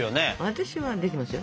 私はできますよ